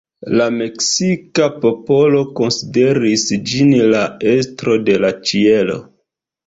La meksika popolo konsideris ĝin la estro de la ĉielo.